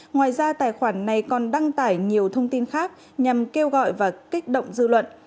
ngoài ra tài khoản này còn đăng tải nhiều thông tin khác nhằm kêu gọi và kích động dư luận